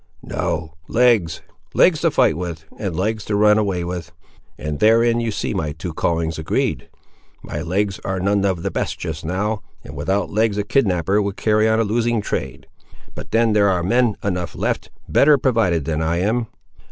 "No, legs—legs to fight with, and legs to run away with—and therein you see my two callings agreed. My legs are none of the best just now, and without legs a kidnapper would carry on a losing trade; but then there are men enough left, better provided than I am."